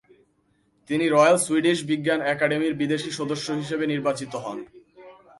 তিনি Royal Swedish বিজ্ঞান একাডেমির বিদেশি সদস্য হিসেবে নির্বাচিত হন।